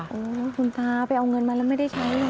โอ้โหคุณตาไปเอาเงินมาแล้วไม่ได้ใช้